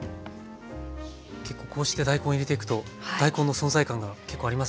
こうして大根を入れていくと大根の存在感が結構ありますね。